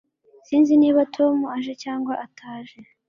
Sinzi niba Tom aje cyangwa ataje